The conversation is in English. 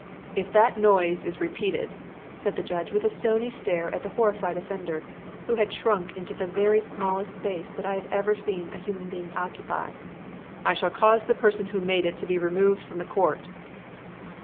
"If that noise is repeated," said the judge, with a stony stare at the horrified offender who had shrunk into the very smallest space that I have ever seen a human being occupy "I shall cause the person who made it to be removed from the court."